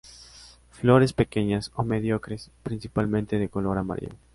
Flores pequeñas o mediocres, principalmente de color amarillo.